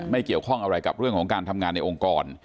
เกี่ยวข้องอะไรกับเรื่องของการทำงานในองค์กร